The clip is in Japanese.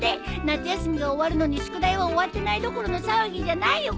夏休みが終わるのに宿題は終わってないどころの騒ぎじゃないよ